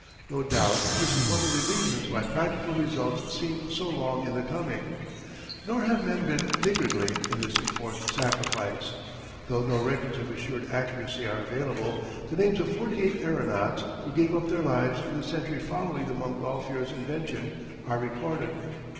No doubt this is one of the reasons why practical results seemed so long in the coming. Nor have men been niggardly in this enforced sacrifice. Though no records of assured accuracy are available, the names of forty eight aeronauts who gave up their lives in the century following the Montgolfiers' invention are recorded.